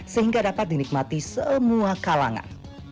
sehingga dapat dinikmati semua kalangan